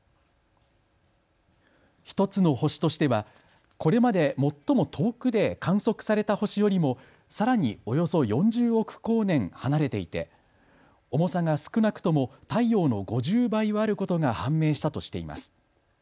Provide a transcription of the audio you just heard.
１つの星としてはこれまで最も遠くで観測された星よりもさらにおよそ４０億光年離れていて重さが少なくとも太陽の５０倍はあることが判明したとしています。